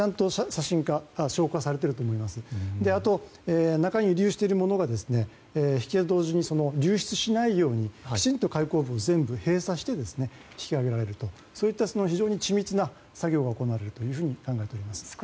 そして、中に遺留しているものが引き揚げと同時に流出しないようきちんと開口部を全部閉鎖して引き揚げられると、そういった緻密な作業が行われると考えております。